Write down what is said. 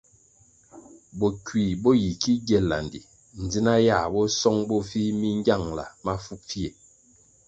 Bokui bo yi ki gie landi dzina yãh bo song bo vih mi ngiangla mafu pfie.